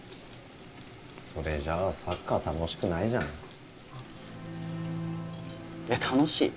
それじゃあサッカー楽しくないじゃんえっ楽しい？